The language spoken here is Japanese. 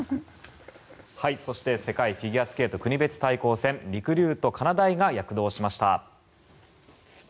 そして世界フィギュアスケート国別対抗戦りくりゅうとかなだいが躍動しました。